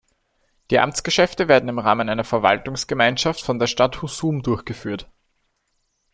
Die Amtsgeschäfte werden im Rahmen einer Verwaltungsgemeinschaft von der Stadt Husum durchgeführt.